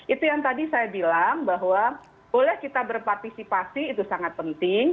itu yang tadi saya bilang bahwa boleh kita berpartisipasi itu sangat penting